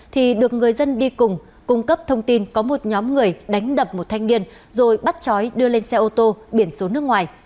thì được người dân đi cùng cung cấp thông tin có một nhóm người đánh đập một thanh niên rồi bắt chói đưa lên xe ô tô biển số nước ngoài